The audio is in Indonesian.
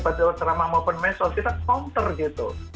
berterus ramah maupun mesos kita counter gitu